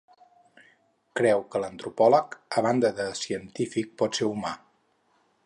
Creu que l'antropòleg, a banda de científic pot ser humà.